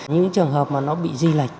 những trường hợp mà nó bị di lệch